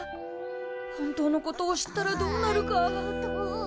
本当のことを知ったらどうなるか。